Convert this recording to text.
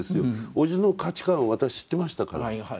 おじの価値観私知ってましたから。